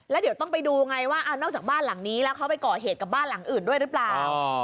แล้วเดี๋ยวต้องไปดูไงว่านอกจากบ้านหลังนี้แล้วเขาไปก่อเหตุกับบ้านหลังอื่นด้วยหรือเปล่า